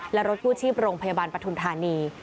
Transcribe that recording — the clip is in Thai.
และรถกู้ชีพโรงพยาบาลปฐุมธานี